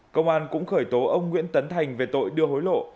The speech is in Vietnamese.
công an cũng khởi tố ông nguyễn tấn thành về tội đưa hối lộ